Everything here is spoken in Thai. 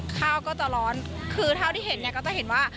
ข้าวก็จะร้อนคือเท่าที่เห็นเนี่ยก็จะเห็นว่า